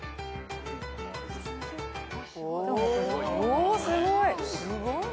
おすごい。